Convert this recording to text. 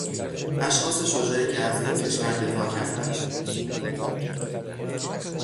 اشخاص شجاعی که از این کشور دفاع کردند